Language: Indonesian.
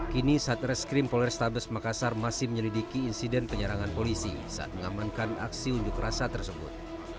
kini satreskrim polrestabes makassar masih menyelidiki insiden penyerangan polisi saat mengamankan aksi unjuk rasa tersebut